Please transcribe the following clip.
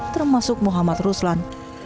termasuk muhammad ruslan